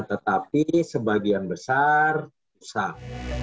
tetapi sebagian besar rusak